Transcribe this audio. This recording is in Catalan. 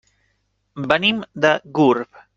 Venim de Gurb.